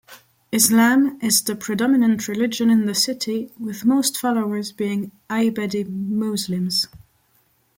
Islam is the predominant religion in the city, with most followers being Ibadi Muslims.